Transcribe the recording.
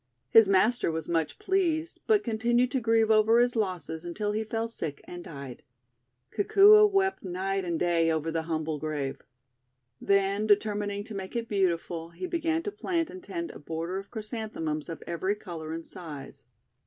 His master was much pleased, but continued to grieve over his losses until he fell sick and died. Kikuo wept night and day over the humble grave. Then, determining to make it beautiful, he began to plant and tend a border of Chrysan themums of every colour and size.